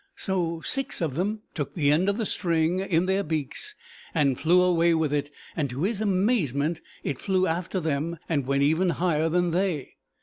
So six of them took the end of the string in their beaks and flew away with it; and to his amazement it flew after them and went even higher than they.